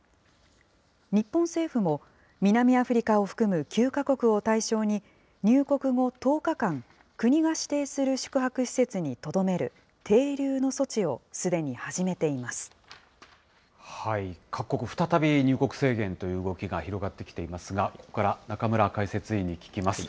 日本政府も南アフリカを含む９か国を対象に、入国後１０日間国が指定する宿泊施設にとどめる停留の措置をすで各国、再び、入国制限という動きが広がってきていますが、ここから中村解説委員に聞きます。